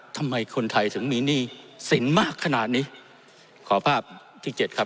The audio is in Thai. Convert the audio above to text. ทำไมคนไทยถึงมีหนี้สินมากขนาดนี้ขอภาพที่เจ็ดครับ